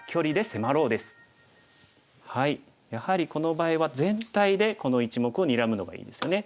やはりこの場合は全体でこの１目をにらむのがいいんですよね。